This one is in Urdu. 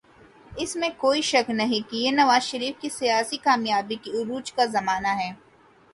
اس میں کوئی شک نہیں کہ یہ نواز شریف کی سیاسی کامیابی کے عروج کا زمانہ ہے۔